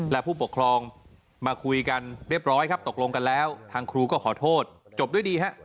และผู้ปกครองมาคุยกันเรียบร้อยครับตกลงกันแล้วทางครูก็ขอโทษจบด้วยดีฮะ